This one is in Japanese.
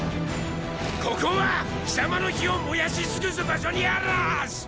ここは貴様の火を燃やし尽くす場所に非ず！